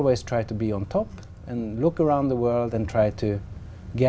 phát triển nhiều vấn đề